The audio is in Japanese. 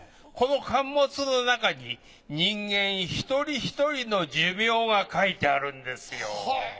この巻物の中に人間一人一人の寿命が書いてあるんですよ。